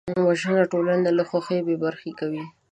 وژنه ټولنه له خوښیو بېبرخې کوي